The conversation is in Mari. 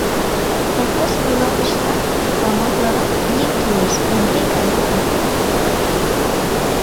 Колхоз вуйлатышылан тыматлырак еҥ кӱлеш, Ондрий гай огыл.